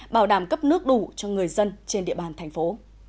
bảo đảm cấp nước đủ cho người dân trên địa bàn thành phố